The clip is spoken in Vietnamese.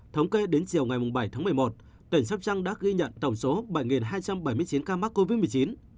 thống kê đến chiều ngày bảy tháng một mươi một tỉnh sắp trăng đã ghi nhận tổng số bảy hai trăm bảy mươi chín ca mắc covid một mươi chín